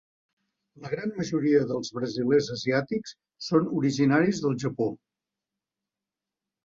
La gran majoria dels brasilers asiàtics són originaris del Japó.